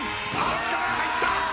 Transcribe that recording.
力が入った。